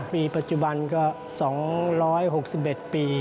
ปัจจุบันก็๒๖๑ปี